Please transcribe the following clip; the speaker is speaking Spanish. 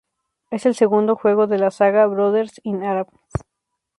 Es el segundo juego de la saga Brothers in Arms.